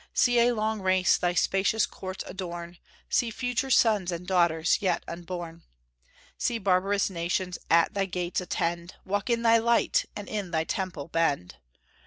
See a long race thy spacious courts adorn, See future sons and daughters yet unborn! See barbarous nations at thy gates attend, Walk in thy light, and in thy temple bend!